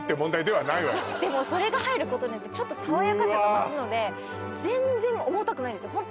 でもそれが入ることによってちょっと爽やかさが増すので全然重たくないんですよ